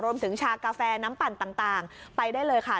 รวมถึงชากาแฟน้ำปั่นต่างต่างไปได้เลยค่ะ